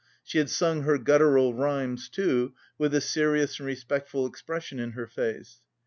She had sung her guttural rhymes, too, with a serious and respectful expression in her face.